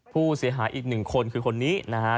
ผู้เสียหายอีกหนึ่งคนคือคนนี้นะฮะ